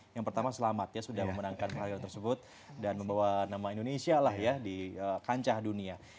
yang pertama selamat ya sudah memenangkan peralihan tersebut dan membawa nama indonesia lah ya di kancah dunia